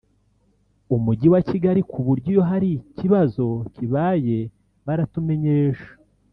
umujyi wa Kigali ku buryo iyo hari ikibazo kibaye baratumenyesha